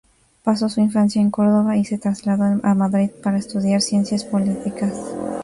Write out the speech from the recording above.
Pasó su infancia en Córdoba y se trasladó a Madrid para estudiar Ciencias Políticas.